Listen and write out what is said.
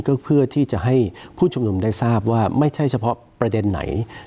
ก็เพื่อที่จะให้ผู้ชุมนุมได้ทราบว่าไม่ใช่เฉพาะประเด็นไหน